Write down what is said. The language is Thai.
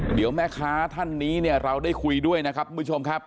เดี๋ยวแม่ค้าท่านนี้เนี่ยเราได้คุยด้วยนะครับคุณผู้ชมครับ